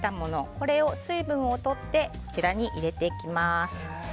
これを水分をとってこちらに入れていきます。